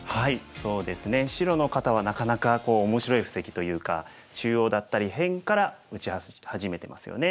そうですね白の方はなかなか面白い布石というか中央だったり辺から打ち始めてますよね。